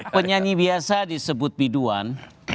penyanyi biasa disebut biduan